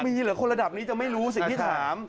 มีเหรอคนระดับนี้จะไม่รู้สิ่งที่ถาม